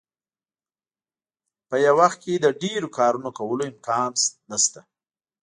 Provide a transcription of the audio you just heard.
په یو وخت کې د ډیرو کارونو کولو امکان نشته.